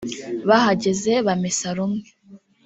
bahageze bamesa rumwe